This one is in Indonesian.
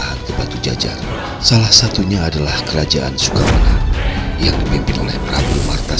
aku akan merungut kesuatu